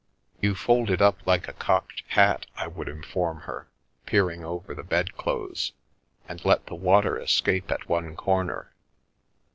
"You fold it up like a cocked hat," I would inform her, peering over the bedclothes, " and let the water es cape at one corner."